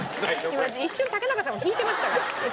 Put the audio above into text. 今一瞬竹中さんも引いてましたから。